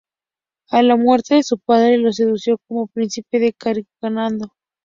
A la muerte de su padre, lo sucedió como príncipe de Carignano.